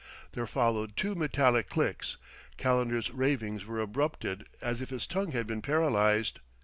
There followed two metallic clicks. Calendar's ravings were abrupted as if his tongue had been paralyzed.